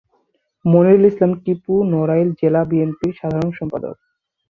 মনিরুল ইসলাম টিপু নড়াইল জেলা বিএনপির সাধারণ সম্পাদক।